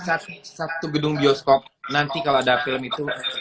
satu gedung bioskop nanti kalau ada film itu